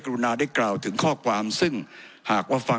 ผมจะขออนุญาตให้ท่านอาจารย์วิทยุซึ่งรู้เรื่องกฎหมายดีเป็นผู้ชี้แจงนะครับ